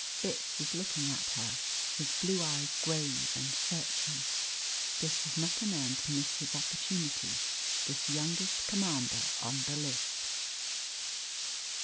Fitz was looking at her, his blue eyes grave and searching. This was not a man to miss his opportunity, this youngest commander on the list.